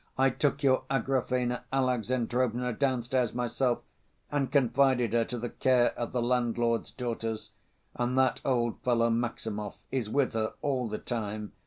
"I took your Agrafena Alexandrovna downstairs myself, and confided her to the care of the landlord's daughters, and that old fellow Maximov is with her all the time.